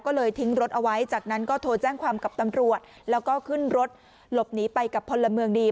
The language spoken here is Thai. ก็เลยทิ้งรถเอาไว้จากนั้นก็โทรแจ้งความกับตำรวจแล้วก็ขึ้นรถหลบหนีไปกับพลเมืองดี